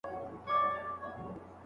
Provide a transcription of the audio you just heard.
آیا درد تر خارش ځوروونکی دی؟